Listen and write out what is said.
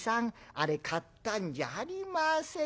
あれ買ったんじゃありませんよ。